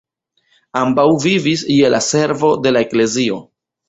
Ambaŭ vivis je la servo de la eklezio.